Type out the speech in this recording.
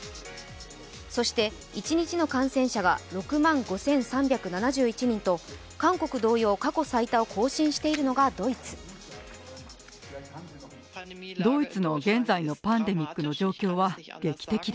そして１日の感染者が６万５３７１人と韓国同様、過去最高を更新しているのがドイツ。